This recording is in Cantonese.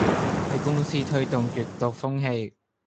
喺公司推動閱讀風氣